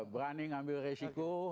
berani ngambil resiko